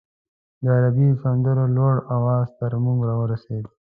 د عربي سندرو لوړ اواز تر موږ راورسېد.